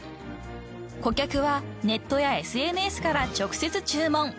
［顧客はネットやＳＮＳから直接注文］